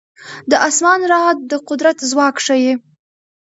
د اسمان رعد د قدرت ځواک ښيي.